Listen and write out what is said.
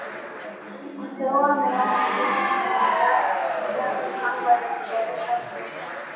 kuteua meya mwengine kuendeleza mipango ya kuboresha huduma